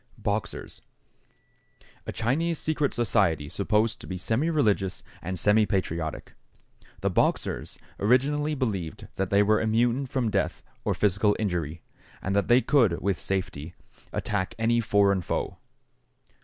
=Boxers.= A Chinese secret society supposed to be semireligious and semipatriotic. The Boxers originally believed that they were immune from death or physical injury, and that they could, with safety, attack any foreign foe.